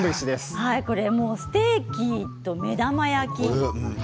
ステーキと目玉焼き。